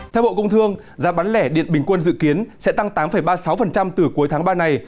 theo bộ công thương giá bán lẻ điện bình quân dự kiến sẽ tăng tám ba mươi sáu từ cuối tháng ba này